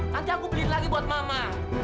nanti aku beliin lagi buat mama